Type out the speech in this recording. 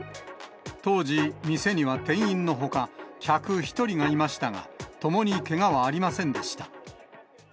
当時、店には店員のほか、客１人がいましたが、ともにけがはありませんでした。